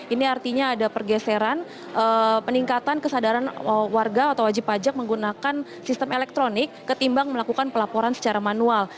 ini artinya ada pergeseran peningkatan kesadaran warga atau wajib pajak menggunakan sistem elektronik ketimbang melakukan pelaporan secara manual